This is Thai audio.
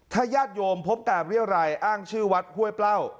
ถ้าญาติโยมพบการเรียรัยอ้างชื่อวัดห้วยเปล้า